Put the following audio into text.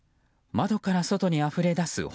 窓から外にあふれ出す炎。